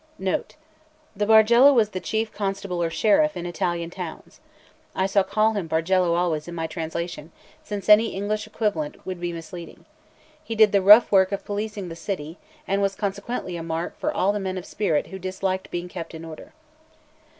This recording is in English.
Note 1. The Bargello was the chief constable or sheriff in Italian towns. I shall call him Bargello always in my translation, since any English equivalent would be misleading. He did the rough work of policing the city, and was consequently a mark for all the men of spirit who disliked being kept in order.